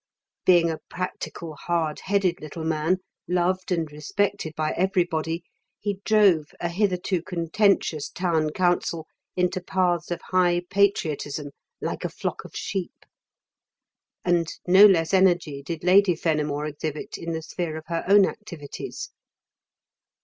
Being a practical, hard headed little man, loved and respected by everybody, he drove a hitherto contentious Town Council into paths of high patriotism like a flock of sheep. And no less energy did Lady Fenimore exhibit in the sphere of her own activities.